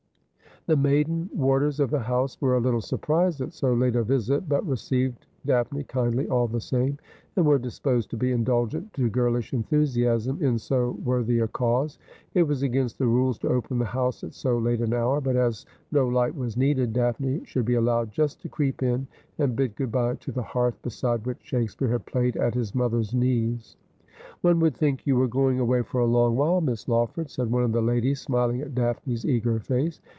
The maiden warders of the house were a little surprised at so late a visit, but received Daphne kindly all the same, and were disposed to be indulgent to girlish enthusiasm in so worthy a cause. It was against the rules to open the house at so late an hour ; but as no light was needed, Daphne should be allowed just to creep in, and bid good bye to the hearth beside which Shakespeare had played at his mother's knees. ' One would think you were going away for a long while. Miss Lawford,' said one of the ladies, smiling at Daphne's eager face.